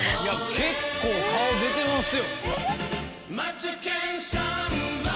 結構顔出てます。